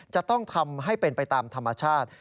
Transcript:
จะต้องทำให้เป็นไปตามธรรมชาติ